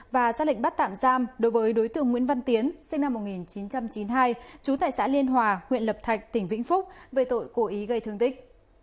và ra lệnh bắt tạm giam đối với đối tượng nguyễn văn tiến sinh năm một nghìn chín trăm chín mươi hai trú tại xã liên hòa huyện lập thạch tỉnh vĩnh phúc về tội cố ý gây thương tích